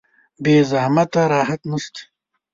بې زحمته راحت نشته.